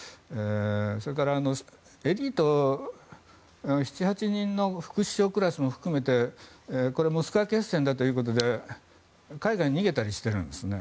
それから、７８人の副首相クラスも含めてモスクワ決戦だということで海外に逃げたりしているんです。